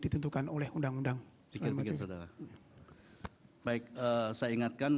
putusan sudah dibacakan